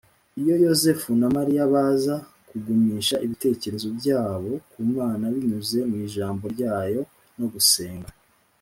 Iyo Yosefu na Mariya baza kugumisha ibitekerezo byabo ku Mana binyuze mu Ijambo ryayo no gusenga